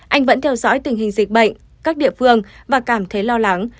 anh vẫn theo dõi tình hình dịch bệnh các địa phương và cảm thấy lo lắng